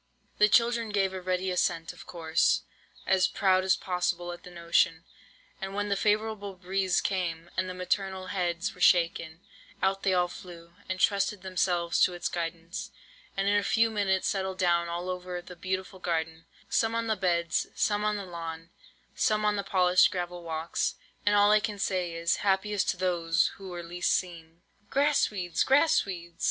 "The children gave a ready assent, of course, as proud as possible at the notion; and when the favourable breeze came, and the maternal heads were shaken, out they all flew, and trusted themselves to its guidance, and in a few minutes settled down all over the beautiful garden, some on the beds, some on the lawn, some on the polished gravel walks. And all I can say is, happiest those who were least seen!" "Grass weeds! grass weeds!"